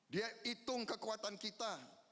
dia hitung kekuatan kita